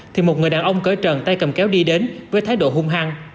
thì một người đàn ông cỡ trần tay cầm kéo đi đến với thái độ hung hăng